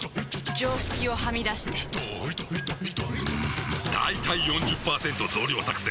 常識をはみ出してんだいたい ４０％ 増量作戦！